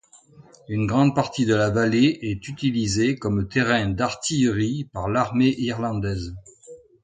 Une grande partie de la vallée est utilisée comme terrain d'artillerie par l'Armée irlandaise.